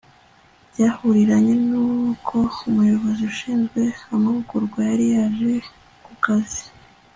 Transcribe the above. byahuriranye n'uko umuyobozi ushinzwe amahugurwa yari yaje ku kazi